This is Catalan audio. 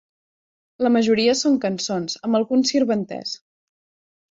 La majoria són cançons, amb algun sirventès.